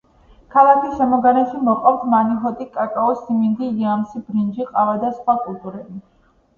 ქალაქის შემოგარენში მოჰყავთ მანიჰოტი, კაკაო, სიმინდი, იამსი, ბრინჯი, ყავა და სხვა კულტურები.